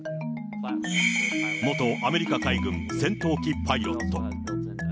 元アメリカ海軍戦闘機パイロット。